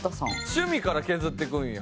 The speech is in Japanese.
趣味から削ってくんや。